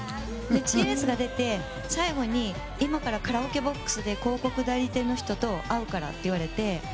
知恵熱が出て最後に今からカラオケボックスで広告代理店の人と会うからって言われて。